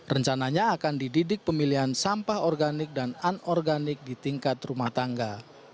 rencananya akan dididik pemilihan sampah organik dan anorganik di tingkat rumah tangga